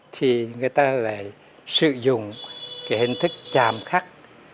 thì người ta lại sử dụng cái hình thức chàm khắc